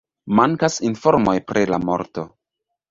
Mankas informoj pri la morto.